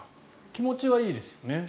気持ちはいいですよね。